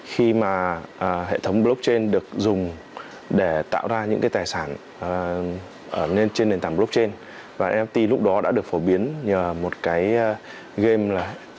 khi mà hệ thống blockchain được dùng để tạo ra những tài sản trên nền tảng blockchain và nft lúc đó đã được phổ biến nhờ một cái game là crypto kitty